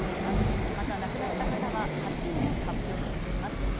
また亡くなった方は８人発表されています。